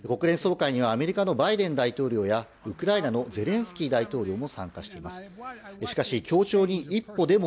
国連総会にはアメリカのバイデン大統領や、ウクライナのゼレンスキー大統領も参加しています。